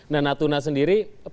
nah natuna sendiri